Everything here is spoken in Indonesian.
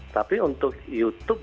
tapi untuk youtube